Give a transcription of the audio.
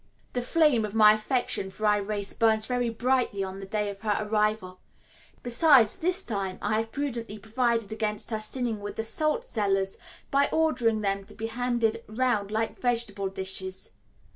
The flame of my affection for Irais burns very brightly on the day of her arrival; besides, this time I have prudently provided against her sinning with the salt cellars by ordering them to be handed round like vegetable dishes.